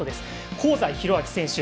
香西宏昭選手